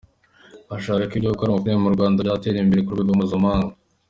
Ashaka ko ibyo gukora amafilimi mu Rwanda byatera imbere ku rwego mpuzamahanga.